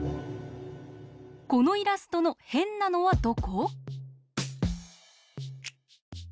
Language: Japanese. このイラストのへんなのはどこ？